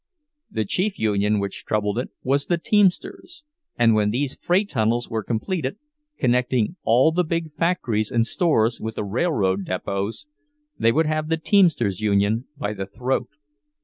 The chief union which troubled it was the teamsters'; and when these freight tunnels were completed, connecting all the big factories and stores with the railroad depots, they would have the teamsters' union by the throat.